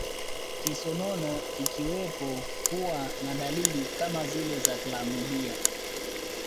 Kisonono ikiwepo huwa na dalili kama zile za klamidia